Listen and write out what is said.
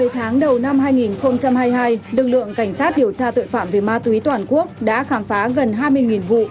một mươi tháng đầu năm hai nghìn hai mươi hai lực lượng cảnh sát điều tra tội phạm về ma túy toàn quốc đã khám phá gần hai mươi vụ